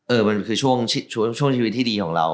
เออมันคือช่วงชีวิตที่ดีของเรา